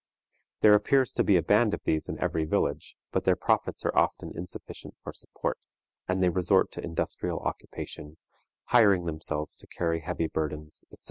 There appears to be a band of these in every village, but their profits are often insufficient for support, and they resort to industrial occupation, hiring themselves to carry heavy burdens, etc.